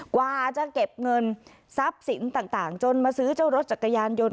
กว่าจะเก็บเงินทรัพย์สินต่างจนมาซื้อเจ้ารถจักรยานยนต์